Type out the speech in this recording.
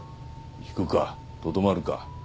退くかとどまるか。